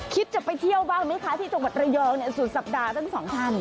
คิดจะไปเที่ยวบ้างไหมคะที่จังหวัดระยองสุดสัปดาห์ทั้งสองท่าน